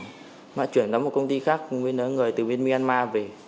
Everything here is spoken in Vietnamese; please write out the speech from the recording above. cháu đã chuyển đến một công ty khác người từ bên myanmar về